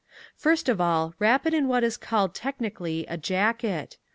First of all I wrap it in what is called technically a jacket.